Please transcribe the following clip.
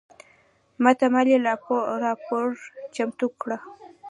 ماته مالي راپور چمتو کړه